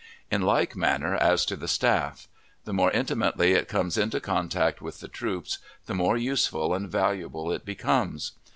In like manner as to the staff. The more intimately it comes into contact with the troops, the more useful and valuable it becomes.